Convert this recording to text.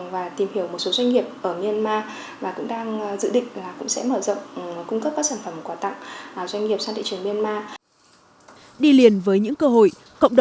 và điều hành những doanh nghiệp lớn